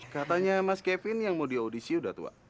katanya mas kevin yang mau diaudisi udah tua